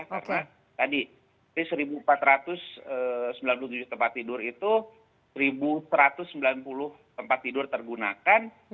karena tadi seribu empat ratus sembilan puluh tujuh tempat tidur itu seribu satu ratus sembilan puluh tempat tidur tergunakan